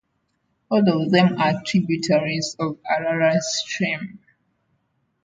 All of them are tributaries of Araras stream.